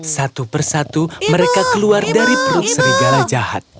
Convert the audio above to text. satu persatu mereka keluar dari perut serigala jahat